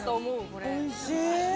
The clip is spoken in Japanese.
おいしい！